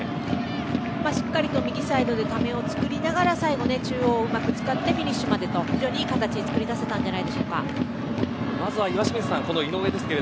しっかりと右サイドでためを作りながら最後で中央をうまく使ってフィニッシュまでと非常にいい形つくり出せたんじゃないでしょうか。